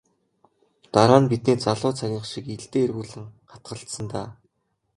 Дараа нь бидний залуу цагийнх шиг илдээ эргүүлэн хатгалцсан даа.